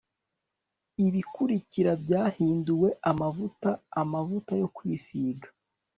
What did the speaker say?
Ibikurikira byahinduwe amavuta amavuta yo kwisiga